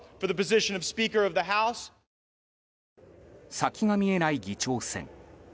先が見えない議長選。